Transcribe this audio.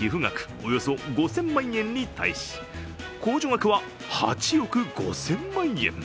およそ５０００万円に対し、控除額は８億５０００万円。